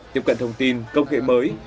tiếp cận thông tin công nghệ mới